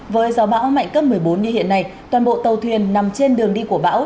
với gió bão mạnh cấp một mươi bốn như hiện nay toàn bộ tàu thuyền nằm trên đường đi của bão